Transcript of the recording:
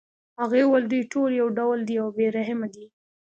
هغې ویل دوی ټول یو ډول دي او بې رحمه دي